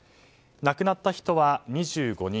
亡くなった人は２５人。